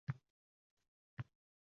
Avvallari Anvar aka juda mehribon edi